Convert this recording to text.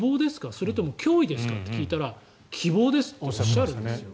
それとも脅威ですか？と聞いたら希望ですとおっしゃるんですよ。